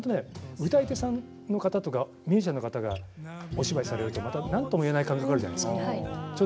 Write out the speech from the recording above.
歌い手さんの方とかミュージシャンの方お芝居させるとなんとも言えないものがあるじゃないですか。